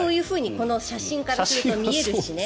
この写真からするとそう見えるしね